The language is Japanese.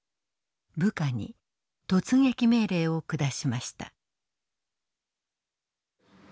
部下に突撃命令を下しました。